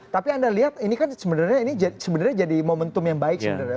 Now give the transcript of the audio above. tapi anda lihat ini kan sebenarnya ini sebenarnya jadi momentum yang baik sebenarnya